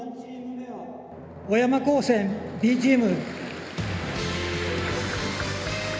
小山高専Ｂチーム。